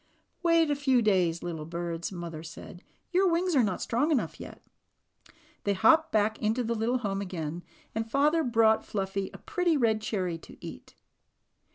"Wait a few days, little birds," Mother said. "Your wings are not strong enough yet." They hopped back into the little home again, and father brought Fluffy a pretty red cherry to eat.